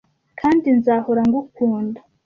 Kandi nzahora ngukunda!